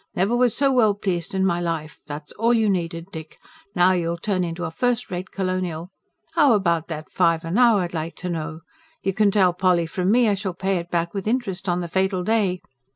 NEVER WAS SO WELL PLEASED IN MY LIFE. THAT'S ALL YOU NEEDED, DICK NOW YOU'LL TURN INTO A FIRST RATE COLONIAL. HOW ABOUT THAT FIVER NOW I'D LIKE TO KNOW. YOU CAN TELL POLLY FROM ME I SHALL PAY IT BACK WITH INTEREST ON THE FATAL DAY.